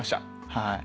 はい。